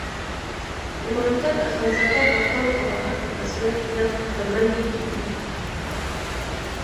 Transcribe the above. د مامدک اخندزاده په قول قباحت په فیصله کې نه په منګي کې دی.